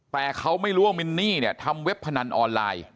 แต่เขาไม่รู้ว่ามินนี่เนี่ยทำเว็บพนันออนไลน์